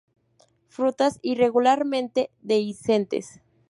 Frutas irregularmente dehiscentes.